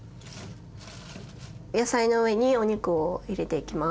野菜の上にお肉を入れていきます。